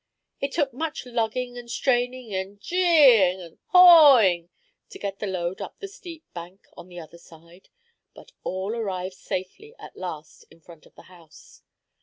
It took much lugging and straining and "gee" ing and "haw" ing to get the load up the steep bank on the other side; but all arrived safely at last in front of the house.